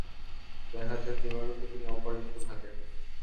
দেখা যাক, এবারও কি তিনি অপরাজিত থাকেন।